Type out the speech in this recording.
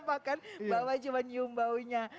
makan bapak cuma nyum baunya